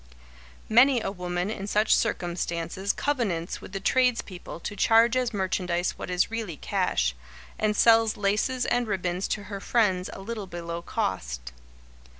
Many a woman in such circumstances covenants with the tradespeople to charge as merchandise what is really cash, and sells laces and ribbons to her friends a little below cost.